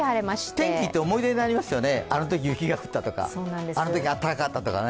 天気って思い出になりますよね、あのとき雪が降ったとか、あのとき暖かかったとかね。